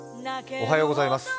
おはようございます。